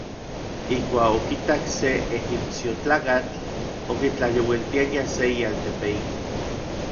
Ijkuak okitak se ejipsiojtlakatl okitlajyouiltiaya se ialtepeikni.